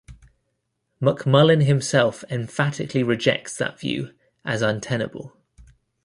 McMullin himself emphatically rejects that view as untenable.